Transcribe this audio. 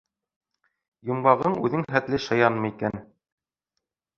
Йомғағың үҙең хәтле шаянмы икән?